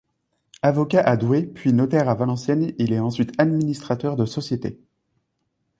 Avocat à Douai, puis notaire à Valenciennes, il est ensuite administrateur de sociétés.